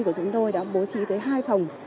của chúng tôi đã bố trí tới hai phòng